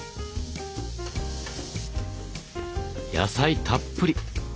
野菜たっぷり！